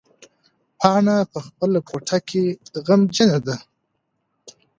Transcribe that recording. پاڼه په خپله کوټه کې غمجنېده.